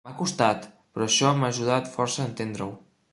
M'ha costat, però això m'ha ajudat força a entendre-ho.